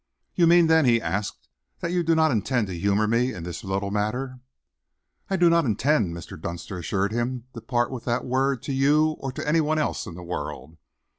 "You mean, then," he asked, "that you do not intend to humour me in this little matter?" "I do not intend," Mr. Dunster assured him, "to part with that word to you or to any one else in the the world.